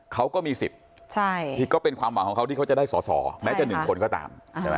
เขาก็มีสิทธิ์ก็เป็นความหวังของเขาที่เขาจะได้สอสอแม้จะ๑คนก็ตาม